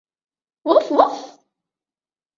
സംശയിച്ചുപ്പോയി